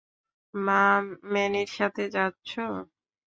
মা, ম্যানির সাথে যাচ্ছো?